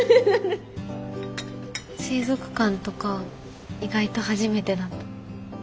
水族館とか意外と初めてだった。